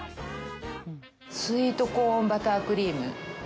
スイートコーンバタークリーム。